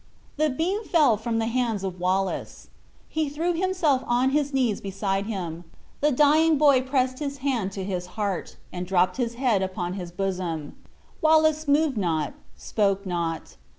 The beam fell from the hands of Wallace. He threw himself on his knees beside him. The dying boy pressed his hand to his heart, and dropped his head upon his bosom Wallace moved not, spoke not.